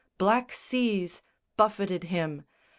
Black seas Buffeted him.